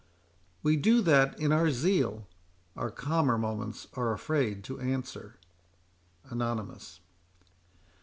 We do that in our zeal, Our calmer moments are afraid to answer. ANONYMOUS.